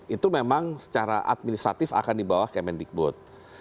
itu memang secara administratif akan di bawah kementerian pendidikan tinggi